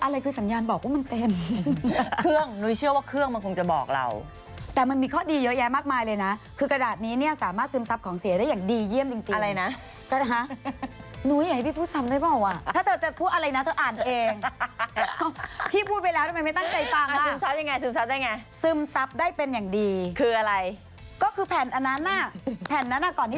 มีสัญญาณบอกว่ามันเต็มเครื่องหนูเชื่อว่าเครื่องมันคงจะบอกเราแต่มันมีข้อดีเยอะแยะมากมายเลยนะคือกระดาษนี้เนี้ยสามารถซึมซับของเสียได้อย่างดีเยี่ยมจริงจริงอะไรนะแต่ฮะหนูอยากให้พี่พูดซ้ำได้เปล่าว่ะถ้าเธอจะพูดอะไรนะเธออ่านเองพี่พูดไปแล้วทำไมไม่ตั้งใจฟังว่ะซึมซับยังไง